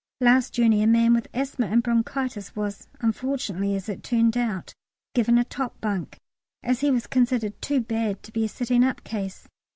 Last journey a man with asthma and bronchitis was, unfortunately as it turned out, given a top bunk, as he was considered too bad to be a sitting up case.